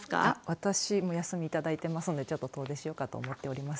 私も休みをいただいてますので遠出しようかと思っています。